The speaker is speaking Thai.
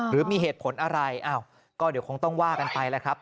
หรือมีเหตุผลอะไรอ้าวก็เดี๋ยวคงต้องว่ากันไปแล้วครับ